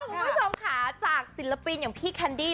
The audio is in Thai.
คุณผู้ชมครับจากศิลปินแคมดี